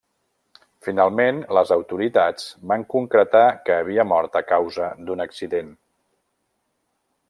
Finalment, les autoritats van concretar que havia mort a causa d'un accident.